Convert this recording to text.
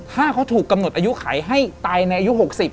ถ้าเขาถูกกำหนดอายุไขให้ตายในอายุ๖๐